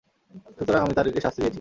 সুতরাং আমি তাদেরকে শাস্তি দিয়েছি।